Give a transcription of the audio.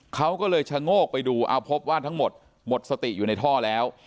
เขาก็เลยชะโงกไปดูเอาพบว่าทั้งหมดหมดสติอยู่ในท่อแล้ว